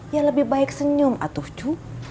ya lebih baik senyum atuh cuk